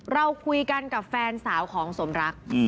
เราคุยกันกับแฟนสาวของสมรัก